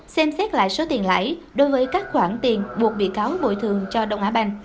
xem xét lại số tiền lãi đối với các khoản tiền buộc bị cáo bồi thường cho đông á banh